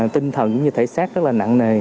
tinh thần cũng như thể xét rất là nặng nề